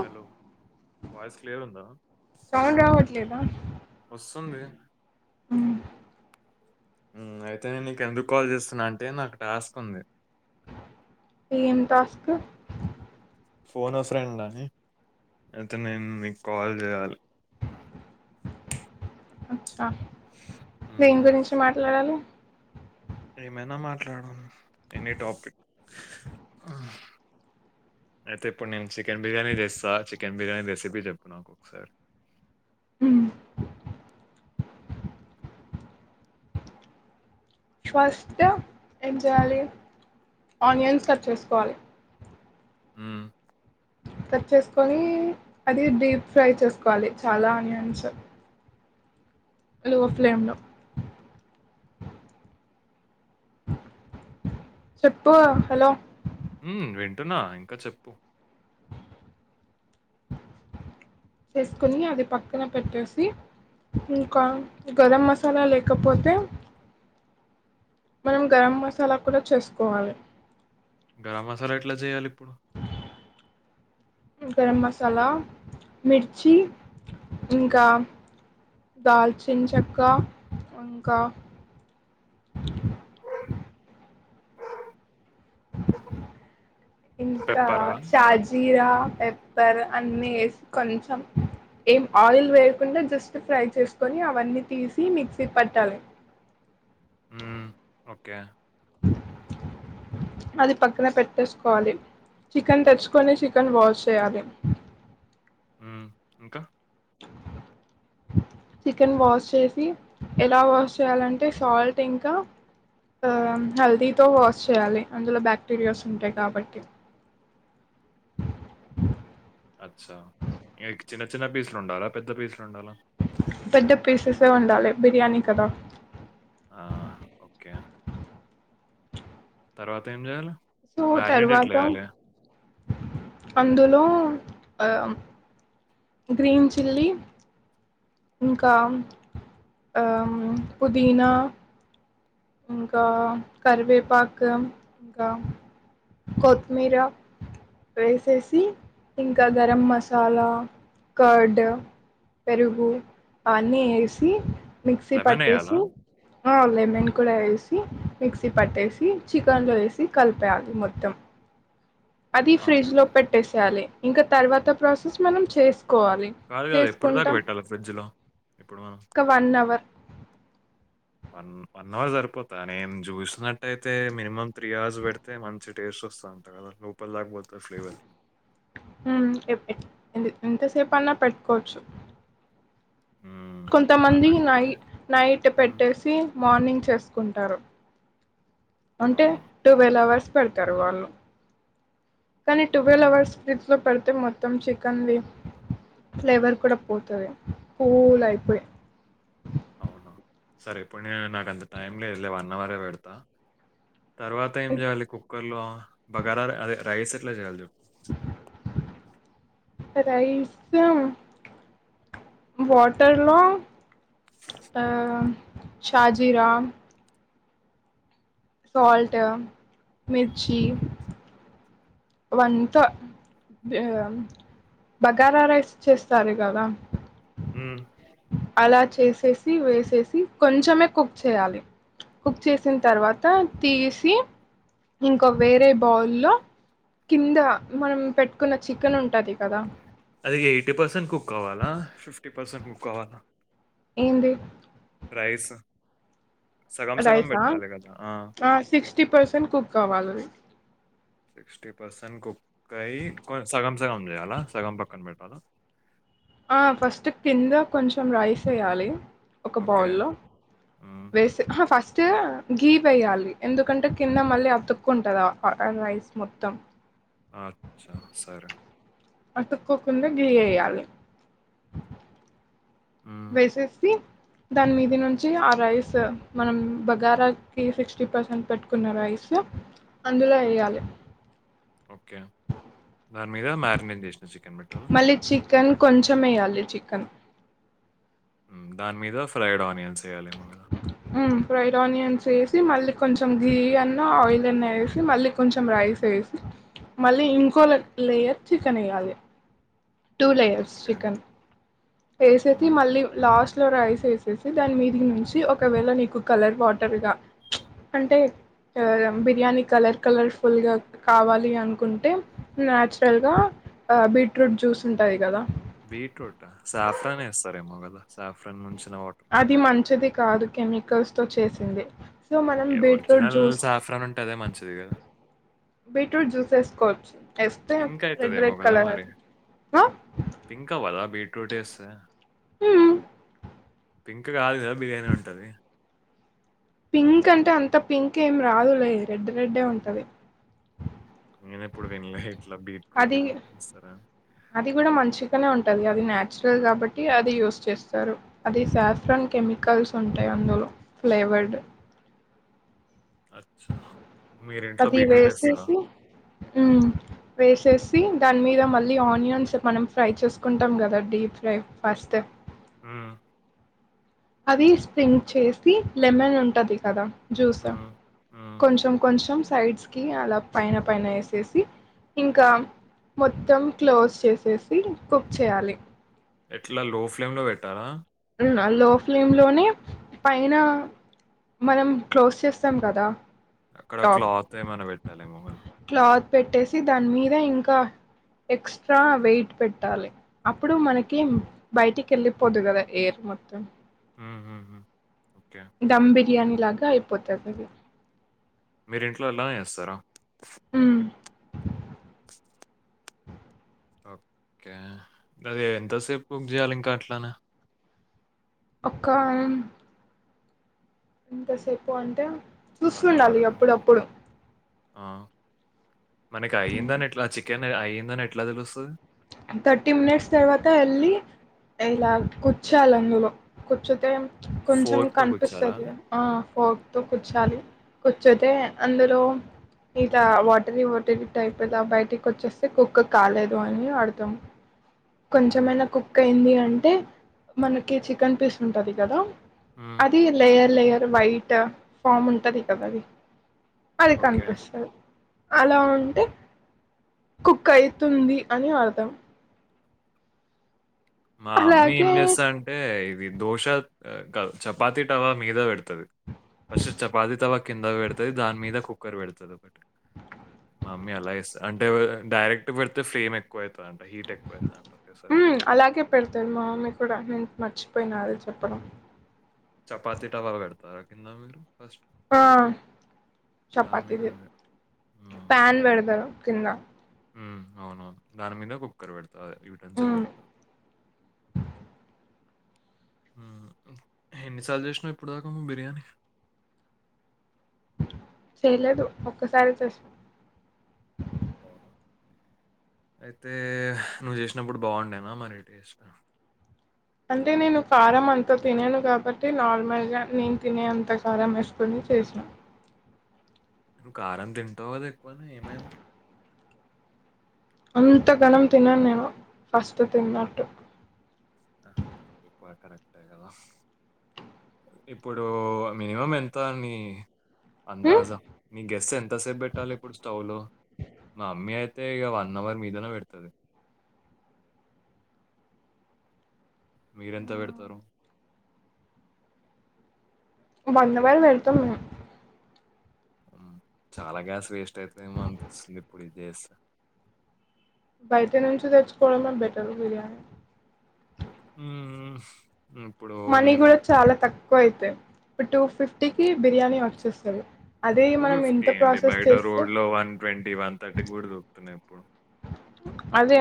Hello voice clear ఉందా లేదా వస్తుంది హ్మ హ్మ అయితే నేను నీకు ఎందుకు కాల్ చేస్తున్నా అంటే నాకు టాస్క్ ఉంది ఏం టస్క ఫోన్ ఏ ఫ్రెండ్ అని అయితే నేను మీకు కాల్ చేయాలి అచ్చా దేని ఉమ్, గురించి మాట్లాడాలి ఏమైనా మాట్లాడు ఎనీ టాపిక్ అయితే ఇప్పుడు నేను చికెన్ బిర్యానీ చేస్తా చికెన్ బిర్యానీ రెసిపీ చెప్పు నాకు ఒకసారి ఉమ్ ఫస్ట్ ఏం చేయాలి ఆనియన్స్ కట్ చేసుకోవాలి ఉమ్, కట్ చేసుకొని అది డీప్ ఫ్రై చేసుకోవాలి చాలా ఆనియన్స్ లో ఫ్లేమ్ లో చెప్పు హలో హ్మ వింటున్నా ఇంకా చెప్పు చేసుకోని అది పక్కన పెట్టేసి ఇంకా గరం మసాలా లేకపోతే మనం గరం మసాలా కూడా చేసుకోవాలి గరం మసాలా ఎట్లా చేయాలి ఇప్పుడు గరం మసాలా మిర్చి ఇంకా దాల్చిని చెక్క ఇంకా ఇంకా పెప్పరా షాజీరా పెప్పర్ అన్ని వేసి కొంచెం ఏం ఆయిల్ వేయకుండా జస్ట్ ఫ్రై చేసుకొని అవన్నీ తీసి మిక్సీ పట్టాలి ఓకే అది పక్కన పెట్టేసుకోవాలి చికెన్ తెచ్చుకొని చికెన్ వాష్ చేయాలి ఉమ్, ఇంకా చికెన్ వాష్ చేసి ఎలా వాష్ చేయాలంటే సాల్ట్ ఇంకా ఆ హల్దీతో వాష్ చేయాలి అందులో బ్యాక్టీరియాస్ ఉంటాయి కాబట్టి అచ్చా క్ చిన్న చిన్న పీసులు ఉండాలా పెద్ద పీసులు ఉండాలా పెద్ద పీససే ఉండాలి బిర్యానీ కదా ఆ ఓకే తర్వాత ఏం చేయాలి సో మ్యారినేట్ ఎట్లా తరువాత వేయాలి అందులో ఆ గ్రీన్ చిల్లీ ఇకా ఆ పుదీనా ఇంకా కరివేపాక్ ఇంకా కొత్మీరా వేసేసి ఇంకా గరం మసాలా కర్డ్ పెరుగు అన్నీ వేసి మిక్సీ లెమన్ వేయాలా పట్టేసి ఆ లెమన్ కూడా వేసి మిక్సీ పట్టేసి చికెన్ లో వేసి కలిపేయాలి మొత్తం అది ఆ, ఫ్రిడ్జ్ లో పెట్టేసేయాలి ఇంకా తర్వాత ప్రాసెస్ మనం చేసి కోవాలి కాదు కాదు ఎప్పుడు దాకా చేసుకుంటాం పెట్టాలి ఫ్రిడ్జ్ లో ఇప్పుడు మనం ఒక one hour one one one hour సరిపోతా నేను చూసినట్ట్టయితే మినిమం త్రీ అవర్స్ పెడితే మంచి టేస్ట్ వస్త దంట్ కద ఉప్పల్ దాకా పోతుంది ఫ్లేవర్ ఎ ఏప్ ఎంత ఎంత సేపూ పన్న పెట్టుకోవచ్చు. కొంతమంది మనకి నై నైట్ మ్మ్. పెట్టేసి మార్నింగ్ చేస్కుంటారు. అంటే అవును టువెల్ అవర్స్ పెడ్తరు వాళ్ళు కానీ ట్వెల్వ్ మ్మ్. అవర్స్ ఫ్రిడ్జ్ లో పెడితే మొత్తం చికెన్ది ఫ్లేవర్ కూడా పోతది కూల్ అయిపోయి అవునా సరే ఇప్పుడ్ నేను నాకంత టైమ్ లేదులే వన్ అవరే పెడ్తా. తర్వాత ఏం చేయాలి కుక్కర్లో బగార అదే రైస్ ఎట్లా చేయాలి చెప్ రైస్ లేవ్ వాటర్లో ఆ షాజిరామ్ సాల్ట్, మిర్చి, వంత బగార రైస్ చేస్తారు కదా మ్ చేసి వేసేసి కొంచమే కుక్ చేయాలి. కుక్ చేసిన్ తర్వాత తీసి ఇంకో వేరే బౌల్లో కింద మనం పెట్టుకున్న చికెన్ ఉంటది కదా అది ఎయిటీ పర్సెంట్ కుక్ అవ్వాలా ఫిఫ్టీ పర్సెంట్ కుక్ అవ్వాలా ఏంది? రైస్. సగం సగం రైసా పెట్టాలి కదా ఆ సిక్స్టీ పర్సెంట్ కుక్ అవ్వాలది. సిక్స్టీ పర్సెట్ కుక్ అయి సగం సగం చేయాల సగం పక్కన పెట్టాలా ఆ ఫస్ట్ కింద కొంచెం రైస్ ఏయాలి. ఒక ఓకే బౌల్లో మ్మ్. వేసి అహ ఫస్ట్ గీ వేయ్యాలి. ఎందుకంటే కింద మళ్ళీ అతుక్కుంటద ఆ రైస్ మొత్తం అచ్చా సరే అతుక్కోకుండా గీ ఏయాలి. మ్మ్. వేసేసి దాని మీది నుంచి ఆ రైస్ మనం బగారకి సిక్స్టీ పర్సెంట్ పెట్టుకున్న రైస్ స్ అందులో ఏయాలె ఓకే దాని మీద మ్యారినేట్ చేసిన చికెన్ పెట్టాలా? కొంచం ఏయాలె చికెన్ దాని మీద ఫ్రైడ్ ఆనియన్స్ ఎయ్యాలేమో కదా మ్ ఫ్రైడ్ ఆనియన్స్ ఏసి మళ్ళీ కొంచెం గీ అన్నా ఆయిల్ అన్నా ఏసి మళ్ళీ కొంచెం రైస్ ఏ ఏసి మళ్ళీ ఇంకో లేయర్ చికెన్ ఏయాలి. టూ లేయర్స్ ఓకే చికెన్ వేసేసి మ్మ్. మళ్ళీ లాస్ట్ లో రైస్ ఏసేసి దాని మీద నుంచి ఒకవేళ నీకు కలర్ వాటర్గా అంటే బిర్యానీ కలర్ కలర్ఫుల్గా కావాలి అన్కుంటే న్యాచురల్గా ఆ బీట్రూట్ జ్యూస్ ఉంటది కదా బీట్రూటా సాఫ్రాన్ ఏస్తారేమో కదా సాఫ్రాన్ ముంచ్ అది మంచిది కాదు కెమికల్స్తో చేసిందే. ఏ ఒరిజినల్ సాఫ్రాన్ ఉంటే అదే మంచిది కదా బీట్రూట్ జ్యూస్ ఏస్కోవచ్చు. ఏస్తే పింక్ రెడ్ అవుతుందేమో రెడ్ కదా కలర మరి పింక్ అవ్వదా బీట్రూట్ ఏస్తే హ్మ్ పింక్ కాదు కదా బిర్యానీ ఉంటది. పింక్ అంటే అంత పింక్ ఏం రాదులే రెడ్ రెడ్డే ఉంటది. నేను ఎప్పుడు వెనలే ఇట్లా అది బీట్రూట్లు ఇస్తారా అది కూడా మంచిగానే ఉంటది అది నాచురల్ కాబట్టి అది యూస్్ చేస్తారు అది సాఫ్రన్ కెమికల్స్ ఉంటాయి అందులో ఫ్లేవర్డ్ అచ్చా మీరి ఇంట్లో బీట్రూట్ ఇస్తారా ఉమ్ వేసేసి దాని మీద మళ్ళీ ఆనియన్స్ మనం ఫ్రై చేసుకుంటాం కదా డీప్ ఫ్రై ఫస్ట్ హ అది స్ప్రింక్ చేసి లెమన్ ఉంటది కదా జ్యూసా హ్మ్. హ్మ్. కొంచెం కొంచెం సైడ్స్ కి అలా పైన పైన వేసేసి ఇంకా మొత్తం క్లోజ్ చేసేసి కుక్ చేయాలి ఎట్లా లో ఫ్లేమ్ లో పెట్టాలా అవునా లో మొత్తం? ఫ్లేమ్ లోనే పైన మనం క్లోజ్ చేస్తాం కదా అక్కడ టాప్ క్లాత్ ఏమన పెట్టాలిమో క్లాత్ పెట్టేసి దాని మీద ఇంకా ఎక్స్ట్రా వెయిట్ పెట్టాలి అప్పుడు మనకి బయటికి వెళ్ళిపోదు కదా ఎయిర్ మత్త హ్మ్. హ్మ్. హ్మ్. ఓకే. దమ్ బిర్యానీ లాగా అయిపోతుంది అది మీరింట్లో ఎలా వస్తారా మ్, ఓకే అది ఎంతసేపు బుక్ చేయాలి ఇంకా అట్లానే ఒకక్క ఇంతసేపు అంటే చూస్తు ఉండాలి అవరా? ఎప్పుడప్పుడు ఆ మనకి అయ్యిందని ఎట్లా చికెన్ అయ్యిందని ఎట్లా తెలుస్తు థర్టీ మినిట్స్ తర్వాత ఎళ్లి ఎలా గుర్చాలందులో గుర్చుతే కొంచెం ఫోర్క్‌తో కనిపిస్తు గుచ్చాలా? ది ఆ ఫోక్తో కూర్చాలి గుర్చోతే అందులో ఇంత వాటర వాట ట అైప్దా బయటికి వచ్చేస్తే కుక్ కాలేదు అని ఆర్ ర్థం హ్మ్. కొంచమైనా కుక్ అయింది అంటే అంటే మనకి చికెన్ పీస్ ఉంటది కదా హ్మ్. అది లేయర్ లేయర్ బైట్ఫామ్ ఉంటది కదా అది అది ఓకే. కనిపిస్తుంది అలా ఉంటే కుక్ అయితుంది అని అర్థం మా అమ్మే ఏం అలాగే చేస్తా అంటే ఇది దోశ క చపాాతి టవా మీద పెడతది ఫస్ట్ చపాతి తవా కింద పెడతుది దాని మీద కుక్కర్ పెడతుంది ఒకటి మా మమ్మీ అలా చేస్త అంటే డైరెక్ట్ పెడితే ఫ్రేమ్ ఎక్కువ అవుతుంది అంట హీట్ ట్ ఎక్కువైతాంది ఒకె సారి మ్మ్ అలాగే పెడతారు మామమ్మీ కూడ నేన్ మర్చిపోయిన అ చెప్పడం చపాతి తవా పెడతార కింద మీరు ఫస్ట్ ఆ దాని మీద చపాతదీ అదే. ప్యాన్ పెడదారు కింద మ్ అవునవును దాని మీద కుక్కర్ పెడతారు యూటెన్సిల్ మ్మ్ పెడతారు మ్ ఎన్నిసార్లు చేసినావు ఇప్పుడుదాక బిర్యానీ చేయ్లేదు ఒక్కసారి చెస్ పోడర్ అయితే నువ్వు చేసినప్పుడు బాగుండేనా మరి టేస్ట్ అంటే నేను కారం అంత తినను కాబట్టి నార్మల్ గా నేను తినే అంత కారం వేసుకుని చేసిన ను కారం తింటావు కదా ఎక్కువనే ఏమైంది అంత ఘనం తినను నేను ఫస్ట్ తిన్నట్టు ఇప్పు అది కరెక్టే కదా ఇప్పుడు మినిమం ఎంత అని మ్మ్ అందాజా మీ గెస్ ఎంతసేపు పెట్టాలి ఇప్పుడు స్టవ్ లో మా అమ్మీ అయితే తే ఇగా వన్ అవర్ మీదనే పెడుతది మీరెంత పెడతారు వన్ అవర్ పెడతాం మేము చాలా గ్యాస్ వేస్ట్ అయిందేమో అనిపిస్తుంది ఇప్పుడు ఇది చేసి బయట నుంచి తెచ్చుకోవడంమే బెటర్ బిర్యానీ ఉ హుమ్ మనీ కూడా చాలా తక్కువ అయితాయి ఇప్పుడు టూ ఫిఫ్టీకిి బిర్యానీ వచ్చేస్తది అదే టూ మనం ఫిఫ్టీ ఇంత అండి ప్రాసెస్ బయట చేస్తే రోడ్ లో వన్ ట్వంటీ వన్ థర్టీ కూడా దొరుకుతున్నాయి ఇప్పుడు అదే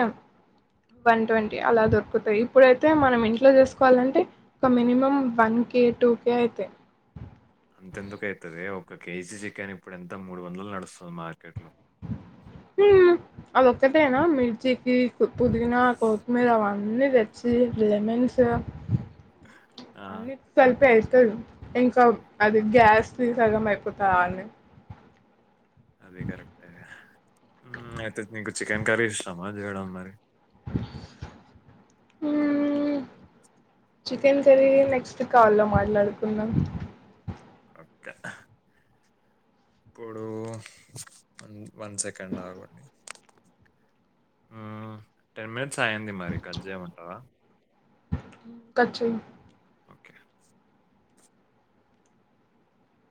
వన్ ట్వంటీ అలా దొరుకుతాయి ఇప్పుడైతే మనం ఇంట్లో చేసుకోవాలంటే ఒక minimum one K two K అయితేయి అంతెందుకు అయితదే ఒక కేజీ చికెన్ ఇప్పుడ ఎంత మూడు వందలు నడుస్తుంది మా [inaudible] అదొక్కటేనా హ్మ్. మిర్చికి, పుదీనా, కొత్తిమీర అవన్నీ తెచ్చి లెమన్సు ఆ! అన్నిటికీ కలిపే వేసి ఇంకా అది గ్యాస్ ది సగం అయిపోతది అన్నే అది కరెక్టే అయితే నీకు చికెన్ కర్రీ ఇష్టామా చేయడం మరి [inaudible] చికెన్ కర్రీ నెక్స్ట్ కాల్ లో మాట్లాడుకుందాం ఓకే ఇప్పుడు వన్ సెకండ్ ఆగండి టెన్ మినిట్స్ అయ్యింది మరి కట్ చేయమంటావా కట్ చెయ్ ఓకే.